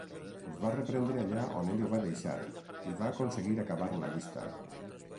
Va reprendre allà on ell ho va deixar, i va aconseguir acabar la llista.